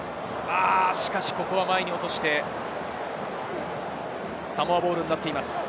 しかし、ここは前に落としてサモアボールになっています。